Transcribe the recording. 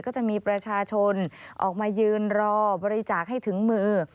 ก็จะมีประชาชนออกมายืนรอบริจาคให้ถึงมือ